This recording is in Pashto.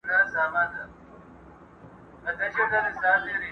سپېرې شونډی وږې ګېډه فکر وړی!!